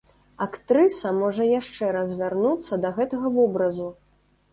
Актрыса можа яшчэ раз вярнуцца да гэтага вобразу.